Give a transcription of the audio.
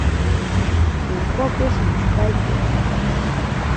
Pimpoke shintsipaiteni.